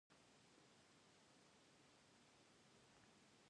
“‘Monsieur,’” he began; then he looked in great confusion at Mr. Jordan.